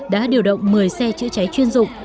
đã điều động một mươi xe chữa cháy chuyên dụng